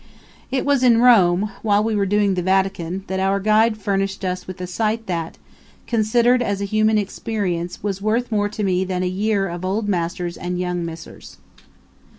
It was in Rome, while we were doing the Vatican, that our guide furnished us with a sight that, considered as a human experience, was worth more to me than a year of Old Masters and Young Messers.